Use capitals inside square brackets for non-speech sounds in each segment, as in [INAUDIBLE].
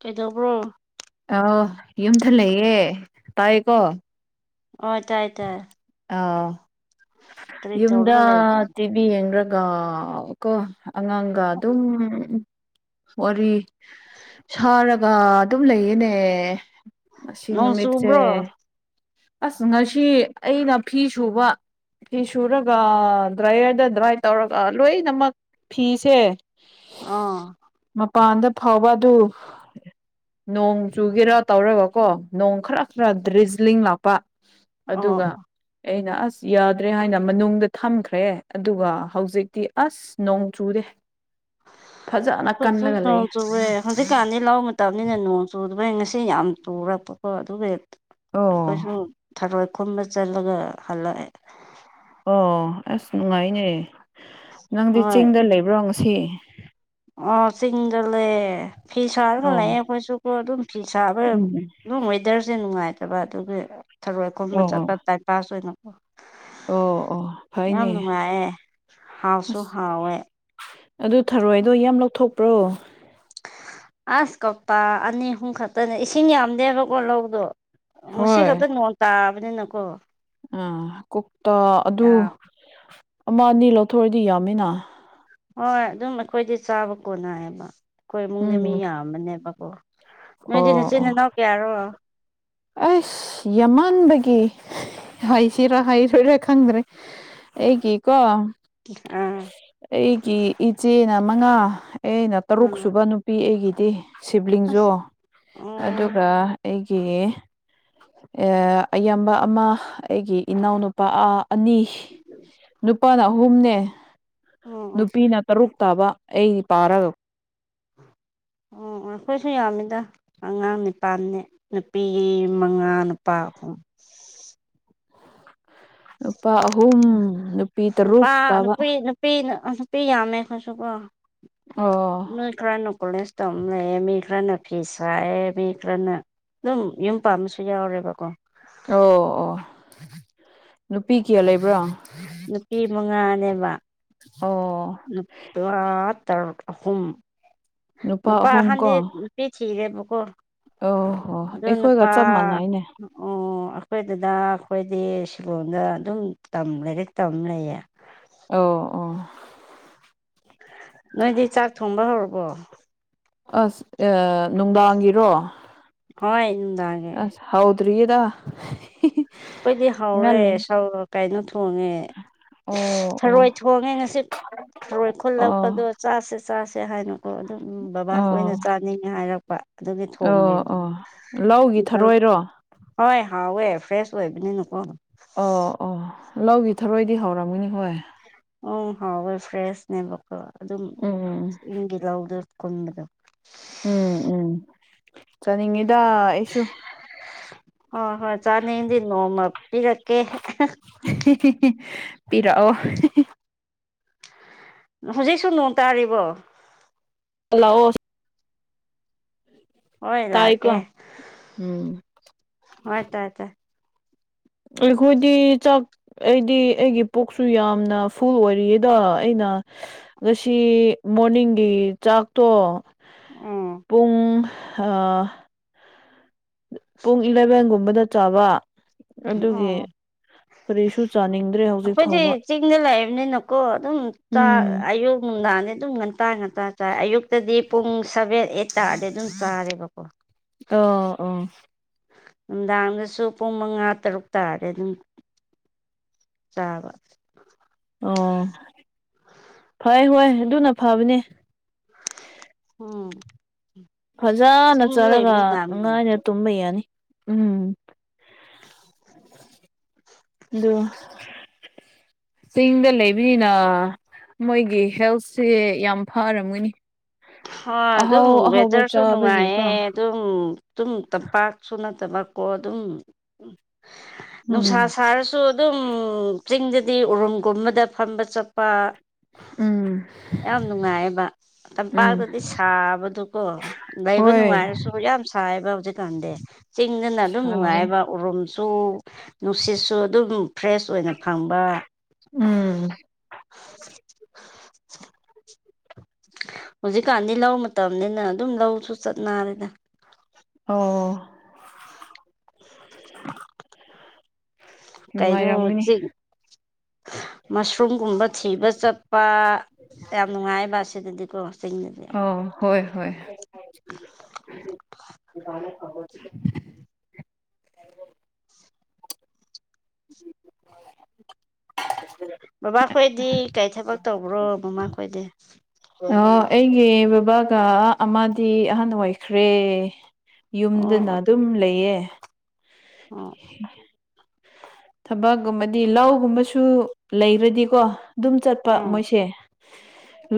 ꯀꯩꯗꯧꯕ꯭ꯔꯣ [UNINTELLIGIBLE] ꯌꯨꯝꯊ ꯂꯩꯌꯦ ꯇꯥꯢꯌꯦꯀꯣ ꯑꯣ ꯇꯥꯢ ꯇꯥꯢ ꯑꯥꯎ ꯌꯨꯝꯗ ꯇꯧꯔꯒ ꯂꯩꯕ꯭ꯔꯣ ꯇꯤꯚꯤ ꯌꯦꯡꯒ꯭ꯔꯒ ꯀꯣ ꯑꯉꯥꯡꯒ ꯑꯗꯨꯝ ꯋꯥꯔꯤ ꯁꯥꯔꯒ ꯑꯗꯨꯝ ꯂꯩꯌꯦꯅꯦ ꯉꯁꯤ ꯅꯣꯡ ꯅꯨꯃꯤꯠꯁꯦ ꯆꯨꯕ꯭ꯔꯣ ꯑꯁ ꯉꯁꯤ ꯑꯩꯅ ꯐꯤ ꯁꯨꯕ ꯐꯤ ꯁꯨꯔꯒ ꯗ꯭ꯔꯥꯏꯌꯔꯗ ꯗ꯭ꯔꯥꯏ ꯇꯧꯔꯒ ꯂꯣꯏꯅꯃꯛ ꯐꯤꯁꯦ ꯑꯥ ꯃꯄꯥꯟꯗ ꯐꯥꯎꯕ ꯑꯗꯨ ꯅꯣꯡ ꯆꯨꯒꯦꯔꯥ ꯇꯧꯔꯒ ꯀꯣ ꯅꯣꯡ ꯈꯔ ꯈꯔ ꯗꯔꯤꯖꯂꯤꯡ ꯂꯥꯛ ꯄ ꯑꯣ ꯑꯗꯨꯒ ꯑꯩꯅ ꯑꯁ ꯌꯥꯗ꯭ꯔꯦ ꯍꯥꯏꯅ ꯃꯅꯨꯡꯗ ꯊꯝꯈ꯭ꯔꯦ ꯑꯗꯨꯒ ꯍꯧꯖꯤꯛꯇꯤ ꯑꯁ ꯅꯣꯡ ꯆꯨꯨꯔꯦ ꯐꯖꯅ ꯑꯩꯈꯣꯏꯁꯨ ꯀꯟꯂꯒ ꯅꯣꯡ ꯂꯩꯌꯦ ꯆꯨꯔꯦ ꯍꯧꯖꯤꯛꯀꯥꯟꯗꯤ ꯂꯧ ꯃꯇꯝꯅꯤꯅ ꯅꯣꯡ ꯆꯨꯗꯕꯩ ꯉꯁꯤ ꯌꯥꯝ ꯆꯨꯔꯛꯄꯀꯣ ꯑꯗꯨꯒ ꯍꯦꯛ ꯑꯣ ꯑꯩꯈꯣꯏꯁꯨ ꯊꯔꯣꯏ ꯈꯨꯟꯕ ꯆꯠꯂꯒ ꯍꯜꯂꯛꯑꯦ ꯑꯣ ꯑꯁ ꯅꯨꯡꯉꯥꯏꯅꯦ ꯅꯪꯗꯤ ꯍꯣꯏ ꯆꯤꯡꯗ ꯂꯩꯕ꯭ꯔꯣ ꯉꯁꯤ ꯑꯣ ꯆꯤꯡꯗꯂꯦ ꯐꯤ ꯁꯔꯒꯥ ꯑꯣ ꯂꯩꯌꯦ ꯀꯣꯏꯁꯨ ꯀꯣ ꯑꯗꯨꯝ ꯐꯤ ꯁꯥꯕ ꯎꯝ ꯑꯗꯨꯝ ꯋꯦꯗꯔꯁꯦ ꯅꯨꯡꯉꯥꯏꯇꯕ ꯑꯗꯨꯒꯤ ꯊꯔꯣꯏ ꯈꯨꯟꯕꯥ ꯑꯣ ꯑꯣ ꯆꯠꯄ ꯇꯥꯏꯝ ꯄꯥꯁ ꯑꯣꯏꯅ ꯑꯣ ꯑꯣ ꯌꯥꯝ ꯐꯩꯅꯦ ꯅꯨꯡꯉꯥꯏꯌꯦ ꯍꯥꯎꯁꯨ ꯑꯁ ꯍꯥꯎꯋꯦ ꯑꯗꯨ ꯊꯔꯣꯏꯗꯣ ꯌꯥꯝ ꯂꯧꯊꯣꯛꯄ꯭ꯔꯣ ꯑꯁ ꯀꯧꯇꯥ ꯑꯅꯤ ꯑꯍꯨꯝ ꯈꯛꯇꯅꯦ ꯏꯁꯤꯡ ꯌꯥꯝꯗꯦꯕꯀꯣ ꯂꯧꯗꯣ ꯉꯁꯤ ꯈꯛꯇ ꯅꯣꯡ ꯇꯥꯕꯅꯤꯅꯀꯣ ꯎꯝ ꯀꯣꯛꯇꯥ ꯑꯗꯨ ꯌꯥꯝ ꯑꯃ ꯑꯅꯤ ꯂꯧꯊꯣꯛꯑꯗꯤ ꯌꯥꯝꯃꯤꯅ ꯍꯣꯏ ꯑꯗꯨꯝ ꯑꯩꯈꯣꯏꯗꯤ ꯆꯥꯕ ꯀꯣꯟꯅꯌꯦꯕ ꯑꯩꯈꯣꯏ ꯏꯃꯨꯡꯗ ꯃꯤ ꯎꯝ ꯌꯥꯝꯕꯅꯦꯕꯀꯣ ꯑꯣ ꯅꯣꯏꯗꯤ ꯅꯆꯤꯟ ꯅꯥꯅꯥꯎ ꯀꯌꯥꯔꯣ ꯑꯁ ꯌꯥꯝꯃꯥꯟꯕꯒꯤ ꯍꯥꯏꯁꯤꯔꯥ ꯍꯩꯔꯣꯏꯔꯥ ꯈꯪꯗ꯭ꯔꯦ ꯑꯩꯒꯤ ꯀꯣ ꯑꯥ ꯑꯩꯒꯤ ꯏꯆꯦꯅ ꯃꯉꯥ ꯑꯩꯅ ꯇꯔꯨꯛ ꯎꯝ ꯁꯨꯕ ꯅꯨꯄꯤ ꯑꯩꯒꯤꯗꯤ ꯁꯤꯕꯂꯤꯡꯖꯨ ꯑꯁ ꯑꯣ ꯑꯗꯨꯒ ꯑꯩꯒꯤ ꯑꯥ ꯑꯦꯌꯥꯝꯕ ꯑꯃ ꯑꯩꯒꯤ ꯏꯅꯥꯎꯅꯨ ꯄꯥ ꯑꯅꯤ ꯅꯨꯄꯥꯅ ꯑꯍꯨꯝꯅꯦ ꯑꯣ ꯑꯣ ꯅꯨꯄꯤꯅ ꯇꯔꯨꯛ ꯇꯥꯕ ꯑꯩ ꯄꯥꯔꯒ ꯑꯣ ꯑꯩꯈꯣꯏꯁꯨ ꯌꯥꯝꯃꯤꯗ ꯑꯉꯥꯡ ꯅꯤꯄꯥꯟꯅꯦ ꯅꯨꯄꯤ ꯃꯉꯥ ꯅꯨꯄꯥ ꯑꯍꯨꯝ ꯅꯨꯄꯥ ꯑꯍꯨꯝ ꯅꯨꯄꯤ ꯇꯔꯨꯛ ꯇꯥꯕ ꯄꯤꯅ ꯅꯨꯄꯤ ꯌꯥꯝꯃꯦ ꯈꯣꯏꯁꯨꯀꯣ ꯑꯣ ꯅꯣꯏ ꯈ꯭ꯔꯅ ꯀꯂꯦꯖ ꯇꯝ ꯂꯩꯌꯦ ꯃꯤ ꯈ꯭ꯔꯅ ꯐꯤꯁꯥꯌꯦ ꯃꯤ ꯈ꯭ꯔꯅ ꯑꯗꯨꯝ ꯌꯨꯝ ꯄꯥꯟꯕꯁꯨ ꯌꯥꯎꯔꯦꯕꯀꯣ ꯑꯣ ꯑꯣ ꯅꯨꯄꯤ ꯀꯌꯥ ꯂꯩꯕꯔꯥ ꯅꯨꯄꯤ ꯃꯉꯥꯅꯦꯕ ꯑꯣ ꯅꯨꯄꯥ ꯇꯔꯨꯛ ꯑꯍꯨꯝ ꯅꯨꯄꯥ ꯑꯍꯨꯝ ꯀꯣ ꯑꯍꯥꯟꯗꯤ ꯑꯣ ꯄꯤ ꯊꯤꯔꯦꯕꯀꯣ ꯑꯣ ꯍꯣ ꯑꯗꯣ ꯅꯨꯄꯥ ꯑꯩꯈꯣꯏꯒ ꯆꯞ ꯃꯥꯟꯅꯩꯅꯦ ꯑꯣ ꯑꯩꯈꯣꯏ ꯗꯥꯗ ꯈꯣꯏꯗꯤ ꯁꯤꯂꯣꯡꯗ ꯑꯗꯨꯝ ꯇꯝ ꯂꯥꯏꯔꯤꯛ ꯇꯝ ꯂꯩꯌꯦ ꯑꯣ ꯑꯣ ꯅꯣꯏꯗꯤ ꯆꯥꯛ ꯊꯣꯡꯕ ꯍꯧꯔꯕꯣ ꯑꯁ ꯑꯥ ꯅꯨꯡꯗꯥꯡꯒꯤꯔꯣ ꯍꯣꯏ ꯅꯨꯡꯗꯥꯡ ꯑꯁ ꯍꯥꯎꯗ꯭ꯔꯤꯌꯦꯗ ꯑꯩꯈꯣꯏꯗꯤ ꯍꯧꯔꯦ ꯁꯧ ꯀꯩꯅꯣ ꯊꯣꯡꯉꯦ ꯑꯣ ꯑꯣ ꯊꯔꯣꯏ ꯊꯣꯡꯉꯦ ꯉꯁꯤ ꯊꯔꯣꯏ ꯈꯨꯠꯂꯛꯄꯗꯣ ꯑꯣ ꯆꯥꯁꯦ ꯆꯥꯁꯦ ꯍꯥꯏꯅ ꯍꯣ ꯑꯗꯨꯝ ꯕꯕꯥ ꯈꯣꯏꯅ ꯑꯣ ꯆꯥꯅꯤꯡꯉꯦ ꯍꯥꯏꯔꯛꯄ ꯑꯗꯨꯒꯤ ꯑꯣ ꯊꯣꯡꯕꯤꯕ ꯑꯣ ꯂꯧꯒꯤ ꯊꯔꯣꯏꯔꯣ ꯍꯣꯏ ꯍꯥꯎꯋꯦ ꯐ꯭ꯔꯦꯁ ꯑꯣꯏꯕꯅꯤꯅ ꯀꯣ ꯑꯣ ꯑꯣ ꯂꯧꯒꯤ ꯊꯔꯣꯏꯗꯤ ꯍꯧꯔꯝꯒꯅꯤ ꯍꯣꯏ ꯎꯪ ꯍꯥꯎꯋꯦ ꯐ꯭ꯔꯦꯁꯅꯦꯕꯀꯣ ꯑꯗꯨꯝ ꯎꯝ ꯆꯤꯡꯒꯤ ꯂꯧꯗ ꯀꯨꯟꯕꯗꯣ ꯎꯝ ꯎꯝ ꯆꯅꯤꯡꯉꯤꯗ ꯍꯣ ꯍꯣꯏ ꯆꯥꯅꯤꯡꯗꯤ ꯅꯣꯡꯃ ꯄꯤꯔꯛꯀꯦ ꯄꯤꯔꯛꯑꯣ ꯍꯧꯖꯤꯛꯁꯨ ꯅꯣꯡ ꯇꯥꯔꯤꯕꯣ ꯇꯂꯥꯛꯑꯣ ꯍꯣꯏ ꯂꯥꯛꯀꯦ ꯇꯥꯏꯀꯣ ꯎꯝ ꯍꯣꯏ ꯇꯥꯏ ꯇꯥꯏ ꯑꯩꯈꯣꯏꯗꯤ ꯆꯥꯛ ꯑꯩꯗꯤ ꯑꯩꯒꯤ ꯄꯨꯛꯁꯨ ꯌꯥꯝꯅ ꯐꯨꯜ ꯑꯣꯏꯔꯤꯌꯦꯗ ꯑꯩꯅ ꯉꯁꯤ ꯃꯣꯔꯅꯤꯡꯒꯤ ꯆꯥꯛꯇꯣ ꯎꯝ ꯄꯨꯡ ꯑ ꯄꯨꯡ ꯏꯂꯚꯦꯟꯒꯨꯝꯕꯗ ꯆꯥꯕ ꯑꯗꯨꯒꯤ ꯎꯝ ꯀꯔꯤꯁꯨ ꯆꯥꯅꯤꯡꯗꯦ ꯑꯩꯈꯣꯏꯗꯤ ꯆꯤꯡꯗ ꯂꯩꯏꯕꯅꯤꯅꯀꯣ ꯑꯗꯨꯝ ꯆꯥꯛ ꯎꯝ ꯑꯌꯨꯛ ꯅꯨꯡꯗꯥꯡꯅꯤ ꯑꯗꯨꯝ ꯉꯟ ꯇꯥꯥ ꯉꯟꯇꯥ ꯆꯥꯏ ꯑꯌꯨꯛꯇꯗꯤ ꯄꯨꯡ ꯁꯚꯦꯟ ꯑꯩꯠ ꯇꯥꯔꯗꯤ ꯑꯗꯨꯝ ꯆꯥꯔꯦꯕꯀꯣ ꯑꯣ ꯑꯣ ꯅꯨꯡꯗꯥꯡꯗꯁꯨ ꯄꯨꯡ ꯃꯉꯥ ꯇꯔꯨꯛ ꯇꯥꯔꯗꯤ ꯑꯗꯨꯝ ꯆꯥꯕ ꯑꯣ ꯐꯩ ꯍꯣꯏ ꯑꯗꯨꯅ ꯐꯕꯅꯦ ꯎꯝ ꯐꯖꯅ ꯆꯤꯡꯗ ꯆꯥꯔꯒ ꯂꯩꯕꯅꯤ ꯌꯥꯝ ꯅꯨꯡꯉꯥꯏꯅ ꯇꯨꯝꯕ ꯌꯥꯅꯤ ꯎꯝ [INAUDIBLE] ꯑꯗꯨ ꯆꯤꯡꯗ ꯂꯩꯕꯅꯤꯅ ꯃꯣꯏꯒꯤ ꯍꯦꯜꯁꯦ ꯌꯥꯝ ꯐꯔꯝꯒꯅꯤ ꯍꯣꯏ ꯑꯗꯨꯝ ꯑꯍꯥꯎ ꯑꯍꯥꯎꯕ ꯋꯦꯗꯔꯁꯨ ꯅꯨꯡꯉꯥꯏꯌꯦ ꯆꯥꯕꯒꯤꯀꯣ ꯇꯨꯝ ꯇꯨꯝ ꯇꯝꯄꯥꯛꯁꯨ ꯅꯠꯇꯕꯀꯣ ꯑꯗꯨꯝ ꯅꯨꯡꯁꯥ ꯎꯝ ꯁꯔꯥ ꯁꯨ ꯑꯗꯨꯝ ꯆꯤꯡꯗꯗꯤ ꯎꯔꯨꯝꯒꯨꯝꯕꯗ ꯐꯝꯕ ꯆꯠꯄ ꯎꯝ ꯌꯥꯝ ꯅꯨꯡꯉꯥꯏꯌꯦꯕ ꯎꯝ ꯄꯥꯛꯇꯗꯤ ꯁꯥꯕꯗꯨꯀꯣ ꯂꯩꯕ ꯍꯣꯏ ꯅꯨꯡꯉꯥꯏꯔꯁꯨ ꯌꯥꯝ ꯁꯥꯏꯌꯦꯕ ꯍꯧꯖꯤꯛꯀꯥꯟꯗꯤ ꯆꯤꯡꯗꯅ ꯑꯗꯨꯝ ꯁꯥꯕꯅꯤ ꯅꯨꯡꯉꯥꯏꯌꯦꯕ ꯎꯔꯨꯝꯁꯨ ꯅꯨꯡꯁꯤꯠꯁꯨ ꯑꯗꯨꯝ ꯐ꯭ꯔꯦꯁ ꯑꯣꯏꯅ ꯐꯪꯕ ꯎꯝ ꯍꯧꯖꯤꯛꯀꯥꯟꯗꯤ ꯂꯧ ꯃꯇꯝꯅꯤꯅ ꯑꯗꯨꯝ ꯂꯧꯁꯨ ꯆꯠꯅꯔꯦꯗ ꯑꯣ ꯀꯩꯅꯣ ꯅꯨꯡꯉꯥꯏꯔꯝꯒꯅꯤ ꯆꯤ ꯃꯁꯔꯨꯝꯒꯨꯝꯕ ꯊꯤꯕ ꯆꯠꯄ ꯌꯥꯝ ꯅꯨꯡꯉꯥꯏꯌꯦꯕ ꯁꯤꯗꯗꯤꯀꯣ ꯆꯤꯡꯗꯗꯤ ꯑꯥ ꯍꯣꯏ ꯍꯣꯏ [INAUDIBLE] ꯆꯠꯄꯅꯦ [UNINTELLIGIBLE] ꯕꯕꯥ ꯈꯣꯏꯗꯤ ꯀꯔꯤ ꯊꯕꯛ ꯇꯧꯕ꯭ꯔꯣ ꯃꯃꯥ ꯈꯣꯏꯗꯤ ꯑꯣ ꯑꯩꯒꯤ ꯕꯕꯥꯒ ꯑꯃꯥꯗꯤ ꯑꯍꯥꯟ ꯑꯣꯏꯈ꯭ꯔꯦ ꯑꯣ ꯌꯨꯝꯗꯅ ꯑꯣ ꯑꯗꯨꯝ ꯂꯩꯌꯦ ꯑꯣ ꯊꯕꯛꯒꯨꯝꯕꯗꯤ ꯂꯧꯒꯨꯝꯕꯁꯨ ꯂꯩꯈ꯭ꯔꯗꯤꯀꯣ ꯑꯗꯨꯝ ꯆꯠꯄ ꯎꯝ ꯃꯣꯏꯁꯦ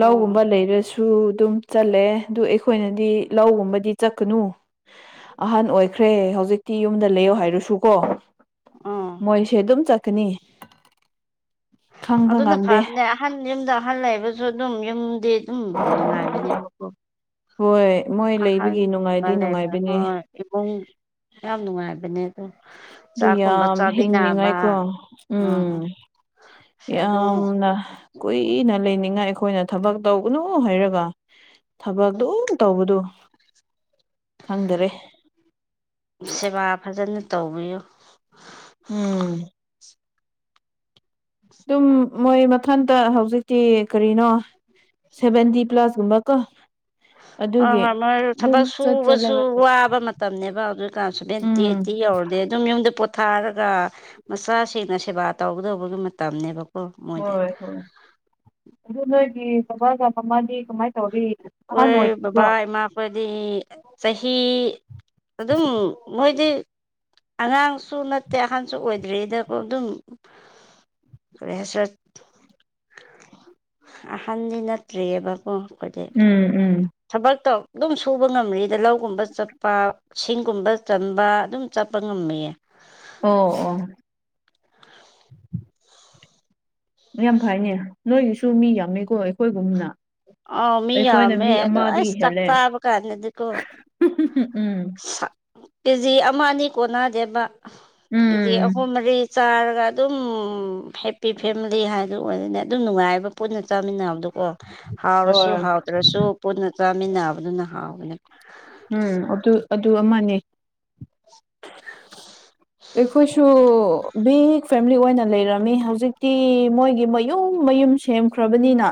ꯑꯣ ꯑꯣ ꯂꯩꯔꯁꯨ ꯁꯨ ꯑꯗꯨꯝ ꯆꯠꯂꯦ ꯑꯗꯨ ꯑꯩꯈꯣꯏꯅꯗꯤ ꯂꯧꯒꯨꯝꯕꯗꯤ ꯆꯠꯀꯅꯨ ꯑꯍꯟ ꯑꯣꯏꯈ꯭ꯔꯦ ꯍꯧꯖꯤꯛꯇꯤ ꯌꯨꯝꯗ ꯂꯩꯌꯣ ꯍꯥꯏꯔꯁꯨꯀꯣ ꯑꯣ ꯃꯣꯏꯁꯦ ꯑꯗꯨꯝ ꯆꯠꯀꯅꯤ ꯈꯪꯕ ꯑꯗꯨꯅ ꯉꯝꯗꯦ ꯐꯕꯅꯦ ꯑꯍꯟ ꯌꯨꯝꯗ ꯑꯍꯜ ꯂꯩꯕꯁꯨ ꯑꯗꯨꯝ ꯌꯨꯝꯗꯤ ꯑꯗꯨꯝ ꯅꯨꯡꯉꯥꯏꯕꯅꯦꯕꯀꯣ ꯍꯣꯏ ꯃꯣꯏ ꯂꯩꯕꯒꯤ ꯑꯍꯜꯒꯨꯝꯕ ꯅꯨꯡꯉꯥꯏꯗꯤ ꯂꯩꯕ ꯅꯨꯡꯉꯥꯏꯕꯅꯦ ꯈꯣꯢ ꯏꯃꯨꯡ ꯌꯥꯝ ꯅꯨꯡꯉꯥꯏꯕꯅꯦ ꯑꯗꯣ ꯑꯗꯨ ꯌꯥꯝ ꯍꯤꯡꯅꯤꯡꯉꯥꯏꯀꯣ ꯎꯝ ꯑꯗꯣ ꯌꯥꯝꯅ ꯀꯨꯏꯅ ꯂꯩꯅꯤꯡꯉꯥꯏ ꯑꯩꯈꯣꯏꯅ ꯊꯕꯛ ꯇꯧꯕꯒꯅꯨ ꯍꯥꯏꯔꯒ ꯊꯕꯛ ꯑꯗꯨꯝ ꯇꯧꯕꯗꯨ ꯈꯪꯗꯔꯦ ꯁꯦꯕꯥ ꯐꯖꯅ ꯇꯧꯕꯤꯌꯨ ꯎꯝ ꯑꯗꯨꯝ ꯃꯣꯏ ꯃꯊꯟꯇ ꯍꯧꯖꯤꯛꯇꯤ ꯀꯔꯤꯅꯣ ꯁꯦꯚꯦꯟꯇꯤ ꯄ꯭ꯂꯁꯒꯨꯝꯕ ꯀꯣ ꯍꯣꯏ ꯑꯗꯨꯒꯤ ꯍꯣꯏ ꯃꯣꯏ ꯊꯕꯛ ꯑꯗꯨꯝ ꯆꯠ ꯁꯨꯕꯁꯨ ꯆꯠꯂꯒ ꯂꯩ ꯋꯥꯕ ꯃꯇꯝꯅꯤꯅꯦꯕ ꯍꯧꯖꯤꯛꯀꯥꯟꯁꯤ ꯁꯚꯦꯟꯇꯤ ꯎꯝ ꯑꯩꯠꯇꯤ ꯌꯧꯔꯗꯤ ꯌꯨꯝ ꯌꯨꯝꯗ ꯄꯣꯊꯥꯔꯒ ꯃꯆꯥ ꯁꯤꯡꯅ ꯁꯦꯕꯥ ꯇꯧꯒꯗꯧꯕꯒꯤ ꯃꯇꯝꯅꯦꯕꯀꯣ ꯃꯣꯏꯗꯤ ꯍꯣꯏ ꯍꯣꯏ ꯑꯗꯨ ꯅꯣꯏꯒꯤ ꯕꯥꯒ ꯃꯃꯥꯗꯤ ꯀꯃꯥꯏꯅ ꯑꯩꯈꯣꯏ ꯕꯕꯥ ꯏꯃꯥꯈꯣꯏꯗꯤ ꯆꯍꯤ ꯑꯗꯨꯝ ꯃꯣꯏꯗꯤ ꯑꯉꯥꯡꯁꯨ ꯅꯠꯇꯦ ꯑꯍꯟꯁꯨ ꯑꯣꯏꯗ꯭ꯔꯤꯗꯀꯣ ꯑꯗꯨꯝ ꯀꯔꯤ ꯍꯥꯢꯁꯤꯔꯥ ꯑꯍꯥꯟꯗꯤ ꯅꯠꯇ꯭ꯔꯤꯌꯦꯕ ꯀꯣ [UNINTELLIGIBLE] ꯎꯝ ꯎꯝ ꯊꯕꯛꯇꯣ ꯑꯗꯨꯝ ꯁꯨꯕ ꯉꯝꯔꯤꯗ ꯂꯧꯒꯨꯝꯕ ꯆꯠꯄ ꯁꯤꯡꯒꯨꯝꯕ ꯆꯟꯕ ꯑꯗꯨꯝ ꯆꯠꯄ ꯉꯝꯂꯤ ꯑꯣ ꯑꯣ ꯌꯥꯝ ꯐꯩꯅꯦ ꯅꯣꯏꯒꯤꯁꯨ ꯃꯤ ꯌꯥꯝꯃꯤꯀꯣ ꯑꯩꯈꯣꯏꯒꯨꯝꯅ ꯑꯥ ꯃꯤ ꯑꯩꯈꯣꯏꯅ ꯌꯥꯝꯃꯦ ꯃꯤ ꯑꯗꯨ ꯑꯃꯗꯒꯤ ꯑꯩꯁ ꯆꯥꯛ ꯍꯦꯜꯂꯦ ꯆꯥꯕ ꯒꯥꯟꯗꯗꯤꯒꯣ [UNINTELLIGIBLE] ꯀꯦꯖꯤ ꯑꯃ ꯑꯅꯤ ꯀꯣꯟꯅꯗꯦꯕ ꯀꯦꯖꯤ ꯎꯝ ꯑꯍꯨꯝ ꯃꯔꯤ ꯆꯥꯔꯒ ꯑꯗꯨꯝ ꯍꯦꯞꯄꯤ ꯐꯦꯃꯤꯂꯤ ꯍꯥꯏꯗꯨ ꯑꯣꯏꯔꯗꯤ ꯑꯗꯨꯝ ꯅꯨꯡꯉꯥꯏꯕ ꯄꯨꯟꯅ ꯆꯥꯃꯤꯟꯅꯕꯗꯣ ꯒꯣ ꯍꯥꯎꯔꯁꯨ ꯍꯣꯏ ꯍꯥꯎꯗ꯭ꯔꯁꯨ ꯄꯨꯟꯅ ꯆꯥꯃꯤꯟꯅꯕꯗꯨꯅ ꯍꯥꯎꯕꯅꯦꯕ ꯎꯝ ꯑꯗꯨ ꯑꯗꯨ ꯑꯃꯅꯦ ꯑꯩꯈꯣꯏꯁꯨ ꯕꯤꯛ ꯐꯦꯃꯤꯂꯤ ꯑꯣꯏꯅ ꯂꯩꯔꯝꯃꯤ ꯍꯧꯖꯤꯛꯇꯤ ꯃꯣꯏꯒꯤ ꯃꯌꯨꯝ ꯃꯌꯨꯝ ꯁꯦꯝꯈ꯭ꯔꯕꯅꯤꯅ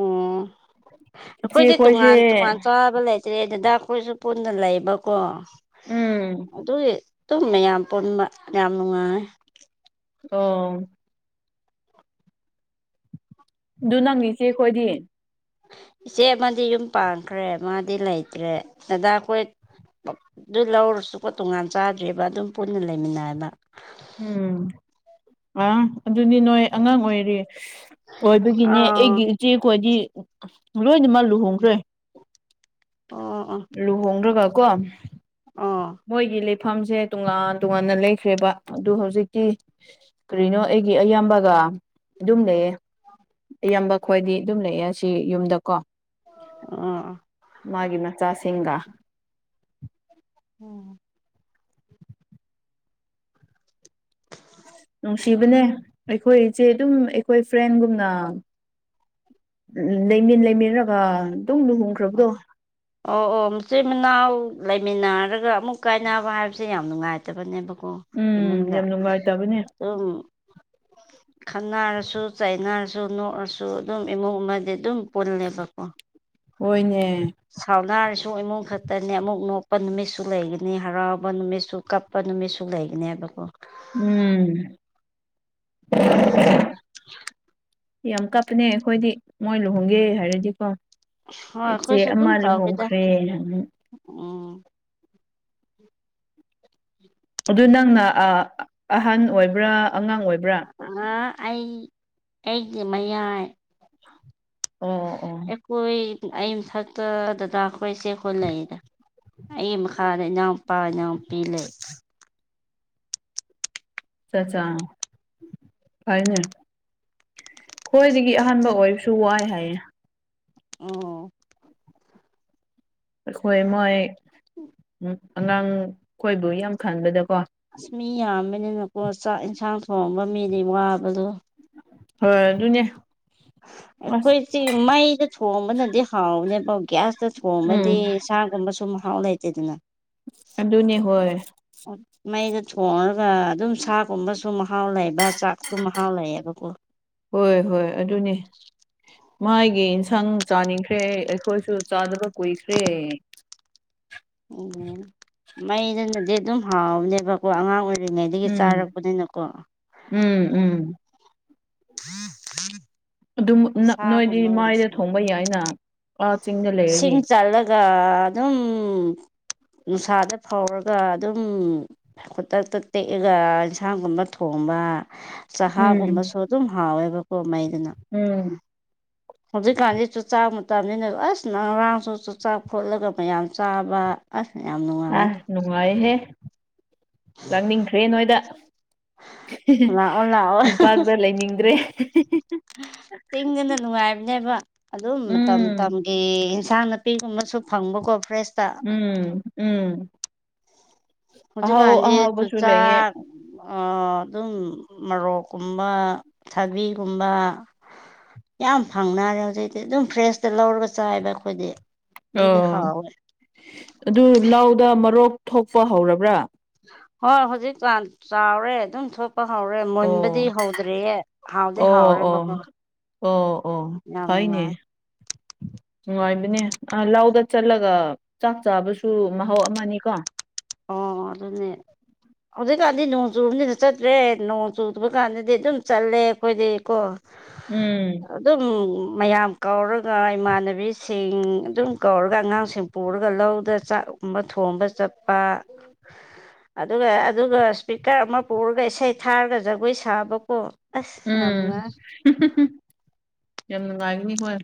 ꯑꯣ ꯑꯩꯈꯣꯏꯗꯤ ꯏꯆꯦꯈꯣꯏꯁꯦ ꯇꯣꯉꯥꯟ ꯇꯣꯉꯥꯟ ꯆꯥꯕ ꯂꯩ ꯇ꯭ꯔꯦꯗ ꯑꯗꯨꯗ ꯑꯩꯈꯣꯏꯁꯨ ꯄꯨꯟꯅ ꯂꯩꯕꯀꯣ ꯎꯝ ꯑꯗꯨꯒꯤ ꯑꯗꯨꯨꯝ ꯃꯌꯥꯝ ꯄꯨꯟꯕ ꯌꯥꯝ ꯅꯨꯡꯉꯥꯏ ꯑꯣ ꯑꯗꯨ ꯅꯪꯒꯤꯁꯦ ꯑꯩꯈꯣꯏꯗꯤ ꯏꯆꯦ ꯑꯃꯗꯤ ꯌꯨꯝ ꯄꯥꯟꯈ꯭ꯔꯦ ꯃꯥꯗꯤ ꯂꯩꯇ꯭ꯔꯦ ꯗꯗꯥ ꯑꯩꯈꯣꯏ ꯑꯗꯨ ꯂꯧꯔꯁꯨꯀꯣ ꯇꯣꯉꯥꯟ ꯆꯥꯗ꯭ꯦꯕ ꯑꯗꯨꯝ ꯄꯨꯟꯅ ꯂꯩꯃꯤꯟꯅꯕ ꯎꯝ ꯑ ꯑꯗꯨꯗꯤ ꯅꯣꯏ ꯑꯉꯥꯡ ꯑꯣꯏꯔꯤ ꯑꯣꯏꯕꯒꯤꯅꯦ ꯑꯥ ꯑꯩꯒꯤ ꯏꯆꯦ ꯈꯣꯏꯗꯤ ꯂꯣꯏꯅꯃꯛ ꯂꯨꯍꯣꯡꯈ꯭ꯔꯦ ꯑꯣ ꯑꯣ ꯂꯨꯍꯣꯡꯗ꯭ꯔꯒ ꯀꯣ ꯑꯣ ꯃꯣꯏꯒꯤ ꯂꯩꯐꯝꯁꯦ ꯇꯣꯉꯥꯟ ꯇꯣꯉꯥꯟꯅ ꯂꯩꯈ꯭ꯔꯦꯕ ꯑꯗꯨ ꯍꯧꯖꯤꯛꯇꯤ ꯀꯔꯤꯅꯣ ꯑꯩꯒꯤ ꯑꯌꯥꯝꯕꯒ ꯑꯗꯨꯝ ꯂꯩꯌꯦ ꯑꯌꯥꯝꯕ ꯈꯣꯏꯗꯤ ꯑꯗꯨꯝ ꯂꯩꯌꯦ ꯁꯤ ꯌꯨꯝꯗꯀꯣ [UNINTELLIGIBLE] ꯃꯥꯒꯤ ꯃꯆꯥꯁꯤꯡꯒ [UNINTELLIGIBLE] ꯅꯨꯡꯁꯤꯕꯅꯦ ꯑꯩꯈꯣꯏ ꯏꯆꯦ ꯑꯗꯨꯝ ꯑꯩꯈꯣꯏ ꯐ꯭ꯔꯦꯟꯒꯨꯝꯅ ꯎꯝ ꯂꯩꯃꯤꯟ ꯂꯩꯃꯤꯟꯅꯒ ꯑꯗꯨꯝ ꯂꯨꯍꯣꯡꯈ꯭ꯔꯕꯗꯣ [UNINTELLIGIBLE] ꯑꯣ ꯑꯣ ꯃꯆꯤꯟ ꯃꯅꯥꯎ ꯂꯩꯃꯤꯟꯅꯔꯒ ꯑꯃꯨꯛ ꯀꯥꯏꯅꯕ ꯍꯥꯏꯕꯁꯦ ꯌꯥꯝ ꯅꯨꯡꯉꯥꯏꯇꯕꯅꯦꯕꯀꯣ ꯎꯝ ꯏꯃꯨꯡꯗ ꯌꯥꯝ ꯅꯨꯡꯉꯥꯏꯇꯕꯅꯦ [UNINTELLIGIBLE] ꯈꯟꯅꯔꯁꯨ ꯆꯩꯥꯏꯅꯥꯔꯁꯨ ꯅꯣꯛꯑꯁꯨ ꯑꯗꯨꯝ ꯏꯃꯨꯡ ꯑꯃꯗꯤ ꯑꯗꯨꯝ ꯄꯨꯜꯂꯦꯕꯀꯣ ꯍꯣꯏꯅꯦ ꯁꯥꯎꯅꯥꯔꯁꯨ ꯏꯃꯨꯡ ꯈꯛꯇꯅꯤ ꯑꯃꯨꯛ ꯅꯣꯛꯄ ꯅꯨꯃꯤꯠꯁꯨ ꯂꯩꯒꯅꯤ ꯍꯔꯥꯎꯕ ꯅꯨꯃꯤꯠꯁꯨ ꯀꯞ [UNINTELLIGIBLE] ꯅꯨꯃꯤꯠꯁꯨ ꯂꯩꯒꯅꯦꯕꯀꯣ ꯎꯝ ꯌꯥꯝ ꯀꯞꯄꯅꯦ ꯑꯩꯈꯣꯏꯗꯤ ꯃꯣꯏ ꯂꯨꯍꯣꯡꯒꯦ ꯍꯥꯏꯔꯗꯤꯀꯣ ꯍꯣꯏ ꯏꯆꯦ ꯑꯩꯈꯣꯏꯁꯨ ꯑꯗꯨꯝ ꯑꯃ ꯇꯧꯋꯦꯗ ꯂꯨꯍꯣꯡꯈ꯭ꯔꯦ [UNINTELLIGIBLE] ꯑꯗꯨ ꯅꯪꯅ ꯑꯍꯟ ꯑꯣꯏꯕ꯭ꯔꯥ ꯑꯉꯥꯡ ꯑꯣꯏꯕ꯭ꯔꯥ ꯑ ꯑꯩ ꯑꯩꯒꯤ ꯃꯌꯥꯏ ꯑꯣ ꯑꯣ ꯑꯩꯈꯣꯏ ꯑꯩ ꯃꯊꯛꯇ ꯗꯗꯥꯈꯣꯏ ꯏꯆꯦꯈꯣꯏ ꯂꯩꯔꯦ ꯑꯩꯒꯤ ꯃꯈꯥꯗ ꯏꯅꯥꯎꯄꯥ ꯏꯅꯥꯎꯄꯤ ꯂꯩ ꯑꯆꯥ ꯆꯥ ꯐꯔꯦ ꯐꯔꯦ ꯈꯣꯏꯗꯒꯤ ꯑꯍꯥꯟꯕ ꯑꯣꯏꯕꯁꯨ ꯋꯥꯏ ꯍꯥꯏꯌꯦ ꯑꯣ ꯑꯩꯈꯣꯏ ꯃꯣꯏ ꯑꯉꯥꯡ ꯈꯣꯏꯕꯨ ꯌꯥꯝ ꯈꯟꯕꯗꯀꯣ ꯑꯁ ꯃꯤ ꯌꯥꯝꯕꯅꯤꯅꯀꯣ ꯆꯥꯛ ꯏꯟꯁꯥꯡ ꯊꯣꯡꯕ ꯃꯤꯗꯤ ꯋꯥꯕꯗꯣ ꯍꯣꯏ ꯑꯗꯨꯅꯦ ꯑꯁ ꯑꯩꯈꯣꯏꯁꯤ ꯃꯩꯗ ꯊꯣꯡꯕꯅꯗꯤ ꯍꯥꯎꯅꯦꯕ ꯒ꯭ꯌꯥꯁꯇ ꯎꯝ ꯊꯣꯡꯕꯗꯤ ꯁꯥꯒꯨꯝꯕꯁꯨ ꯃꯍꯥꯎ ꯂꯩꯇꯦꯗꯅ ꯑꯗꯨꯅꯦ ꯍꯣꯏ [UNINTELLIGIBLE] ꯃꯩꯗ ꯊꯣꯡꯉꯒ ꯑꯗꯨꯝ ꯁꯥꯒꯨꯝꯕꯁꯨ ꯃꯍꯥꯎ ꯂꯩꯕ ꯆꯥꯛꯁꯨ ꯃꯍꯥꯎ ꯂꯩꯌꯦꯕꯀꯣ ꯍꯣꯏ ꯍꯣꯏ ꯑꯗꯨꯅꯦ ꯃꯥꯥꯏꯒꯤ ꯏꯟꯁꯥꯡ ꯆꯥꯅꯤꯡꯈ꯭ꯔꯦ ꯑꯩꯈꯣꯏꯁꯨ ꯆꯥꯗꯕ ꯀꯨꯏꯈ꯭ꯔꯦ ꯑꯣ ꯃꯩꯗꯨꯅꯗꯤ ꯑꯗꯨꯝ ꯍꯥꯎꯕꯅꯦꯕꯀꯣ ꯑꯉꯥꯡ ꯑꯣꯏꯔꯤ ꯔꯤꯉꯩꯗꯒꯤ ꯎꯝ ꯆꯥꯔꯛꯄꯅꯤꯅꯀꯣ ꯎꯝ ꯎꯝ [UNINTELLIGIBLE] ꯑꯗꯨꯝ ꯅꯥ ꯅꯣꯏꯗꯤ ꯁꯥꯒꯨꯝꯕ ꯃꯥꯏꯗ ꯑꯣꯏꯔꯁꯨ ꯊꯣꯡꯕ ꯌꯥꯏꯅ ꯑꯥ ꯆꯤꯡꯗ ꯂꯩꯔꯅꯤ ꯒꯥ ꯑꯗꯨꯝ ꯅꯨꯡꯁꯥꯗ ꯐꯧꯔꯒ ꯑꯗꯨꯝ ꯈꯨꯗꯛꯇ ꯇ ꯇꯦꯛꯑꯒ ꯏꯟꯁꯥꯡꯒꯨꯝꯕ ꯊꯣꯡꯕ ꯎꯝ ꯆꯍꯥꯒꯨꯝꯕꯁꯨ ꯑꯗꯨꯝ ꯍꯥꯎꯋꯦꯕꯀꯣ ꯃꯩꯗꯨꯅ ꯎꯝ ꯍꯧꯖꯤꯛꯀꯥꯟꯗꯤ ꯆꯨꯆꯥꯛ ꯃꯇꯝꯅꯤꯅ ꯑꯁꯅ ꯉꯔꯥꯡꯁꯨ ꯆꯨꯆꯥꯛ ꯐꯣꯠꯂꯒ ꯃꯌꯥꯝ ꯆꯥꯕ ꯑꯁ ꯌꯥꯝ ꯅꯨꯡꯉꯥꯏꯌꯦ ꯑꯁ ꯅꯨꯡꯉꯥꯏꯍꯦ ꯂꯥꯛꯅꯤꯡꯈ꯭ꯔꯦ ꯅꯣꯏꯗ ꯂꯥꯛꯑꯣ ꯂꯥꯛꯑꯣ ꯇꯝꯄꯥꯛꯇ ꯂꯩꯅꯤꯡꯗ꯭ꯔꯦ ꯆꯤꯡꯗꯅ ꯅꯨꯡꯉꯥꯏꯕꯅꯦꯕ ꯑꯗꯨꯝ ꯃꯇꯝ ꯎꯝ ꯃꯇꯝꯒꯤ ꯑꯦ ꯏꯟꯁꯥꯡ ꯅꯥꯄꯤꯒꯨꯝꯕꯁꯨ ꯐꯪꯕꯀꯣ ꯐ꯭ꯔꯦꯁꯇ ꯎꯝ ꯎꯝ ꯑꯍꯥꯎ ꯑꯍꯥꯎꯕꯁꯨ ꯂꯩꯌꯦ ꯑꯥ ꯑꯗꯨꯝ ꯃꯣꯔꯣꯛꯀꯨꯝꯕ ꯊꯕꯤꯒꯨꯝꯕ ꯌꯥꯝ ꯐꯪꯅꯔꯦ ꯍꯧꯖꯤꯛꯇꯤ ꯑꯗꯨꯝ ꯐ꯭ꯔꯦꯁꯇ ꯂꯧꯔꯒ ꯆꯥꯏꯕ ꯑꯩꯈꯣꯏꯗꯤ ꯑꯗꯨꯒꯤ ꯑꯣ ꯍꯥꯎꯋꯦ ꯑꯗꯨ ꯂꯥꯎꯗ ꯃꯔꯣꯛ ꯊꯣꯛꯄ ꯍꯧꯔꯕ꯭ꯔꯥ ꯍꯣꯏ ꯍꯧꯖꯤꯛꯀꯥꯟ ꯆꯥꯎꯔꯦ ꯑꯗꯨꯝ ꯊꯣꯛ ꯄ ꯍꯥꯎꯔꯦ ꯃꯨꯟꯕꯗꯤ ꯑꯣ ꯍꯧꯗ꯭ꯔꯦꯌꯦ ꯍꯥꯎꯗꯤ ꯑꯣ ꯍꯥꯎꯔꯦ ꯑꯣ ꯕꯀꯣ ꯑꯣ ꯑꯣ ꯐꯥꯏꯅꯦ [INAUDIBLE] ꯅꯨꯡꯉꯥꯏꯕꯅꯦ ꯂꯥꯎꯗ ꯆꯠꯂꯒ ꯆꯥꯛ ꯆꯥꯕꯁꯨ ꯃꯍꯥꯎ ꯑꯃꯅꯤ ꯀꯣ ꯑꯣ ꯑꯗꯨꯅꯦ ꯍꯧꯖꯤꯛꯀꯥꯟꯗꯤ ꯅꯣꯡ ꯆꯨꯕꯅꯤꯅ ꯆꯠꯇ꯭ꯔꯦ ꯅꯣꯡ ꯆꯨꯗꯕ ꯀꯥꯟꯗꯗꯤ ꯑꯗꯨꯝ ꯆꯠꯂꯦ ꯑꯩꯈꯣꯏꯗꯤ ꯀꯣ ꯎꯝ ꯑꯗꯨꯝ ꯃꯌꯥꯝ ꯀꯧꯔꯒ ꯏꯃꯥꯟꯅꯕꯤꯁꯤꯡ ꯑꯗꯨꯝ ꯀꯧꯔꯒ ꯑꯉꯥꯡꯁꯤꯡ ꯄꯨꯔꯒ ꯂꯧꯗ ꯆꯥꯛꯀꯨꯝꯕ ꯊꯣꯡꯕ ꯆꯠꯄ ꯑꯗꯨꯒ ꯑꯗꯨꯒ ꯏꯁꯄꯤꯀꯔ ꯑꯃ ꯄꯨꯔꯒ ꯏꯁꯩ ꯊꯥꯔꯒ ꯖꯒꯣꯏ ꯁꯥꯕꯀꯣ ꯑꯁ ꯌꯥꯝ ꯎꯝ ꯅꯨꯡꯉꯥꯏ ꯌꯥꯝ ꯅꯨꯡꯉꯥꯏꯒꯅꯤ ꯍꯣꯏ